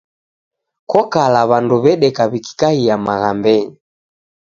Kokala w'andu w'edeka w'ikikaia maghambenyi.